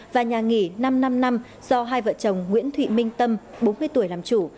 và nhà nghỉ năm trăm năm mươi năm do hai vợ chồng nguyễn thụy minh tâm bốn mươi tuổi làm chủ